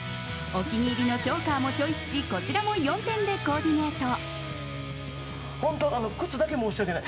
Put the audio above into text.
お気に入りのチョーカーもチョイスしこちらも４点でコーディネート。